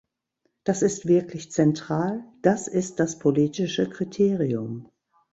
Das ist wirklich zentral, das ist das politische Kriterium.